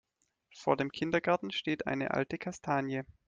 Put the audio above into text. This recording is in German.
Vor dem Kindergarten steht eine alte Kastanie.